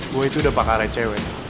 gue itu udah pakarai cewek